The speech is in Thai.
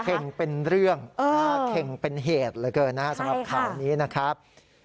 เป็นเรื่องน่าเข่งเป็นเหตุเหลือเกินนะครับสำหรับข่าวนี้นะครับ